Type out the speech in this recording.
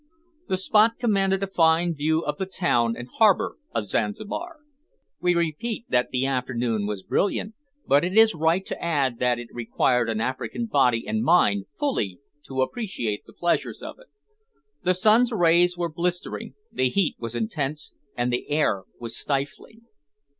The spot commanded a fine view of the town and harbour of Zanzibar. We repeat that the afternoon was brilliant, but it is right to add that it required an African body and mind fully to appreciate the pleasures of it. The sun's rays were blistering, the heat was intense, and the air was stifling.